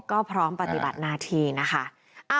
ก็พร้อมปฏิบัติหน้าที่นะคะ